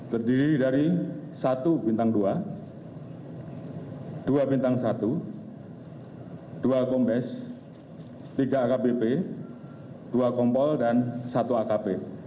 terdiri dari satu bintang dua dua bintang satu dua kombes tiga akbp dua kompol dan satu akp